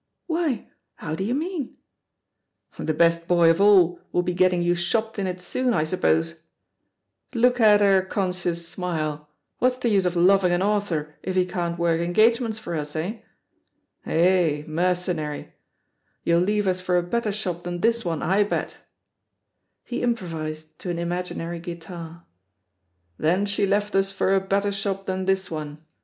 "Why, how do you mean?'* "The Tbest boy of all' will be getting you shopped in it soon, I suppose? Look at her con 160 THE POSITION OF PEGGY HARPER scious smile I What's the use of loving an author if he can't work engagements for us, eh? Yah^ mercenary I You'll leave us for a better shop than this one, I betl" He improvised, to an im aginary guitar: ''Then she left us for a better shop than this one.